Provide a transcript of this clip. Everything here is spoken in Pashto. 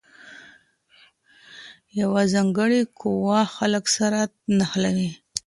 یوه ځانګړې قوه خلګ سره نښلوي.